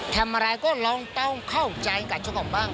ทำอะไรก็เราต้องเข้าใจกับห